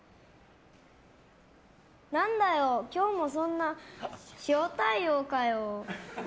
何だよ今日もそんな塩対応かよ。